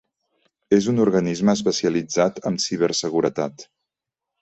És un organisme especialitzat en ciberseguretat.